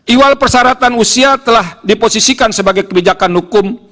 iwal persyaratan usia telah diposisikan sebagai kebijakan hukum